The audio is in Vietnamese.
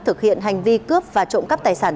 thực hiện hành vi cướp và trộm cắp tài sản